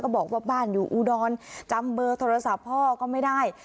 บอกว่าบ้านอยู่อุดรจำเบอร์โทรศัพท์พ่อก็ไม่ได้